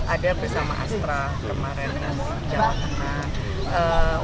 ada bersama astra kemarin dan jawa tengah